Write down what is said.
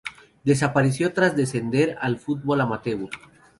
Desapareció tras descender al fútbol amateur.